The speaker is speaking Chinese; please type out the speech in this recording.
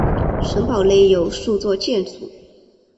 城堡内有数座建筑。